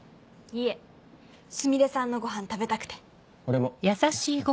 いえすみれさんのごはん食べたくて。俺も。